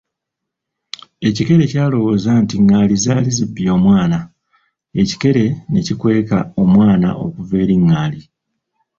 Ekikere kyalowooza nti ngaali zaali zibbye omwana, ekikere ne kikweka omwana okuva eri ngaali.